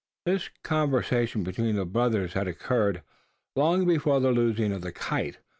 This conversation between the brothers had occurred, long before the losing of the kite.